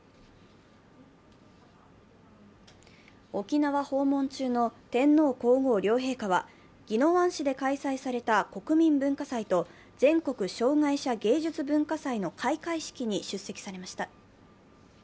沖縄訪問中の天皇皇后両陛下は、宜野湾市で開催された国民文化祭と全国障害者芸術・文化祭の開会式に出席されました。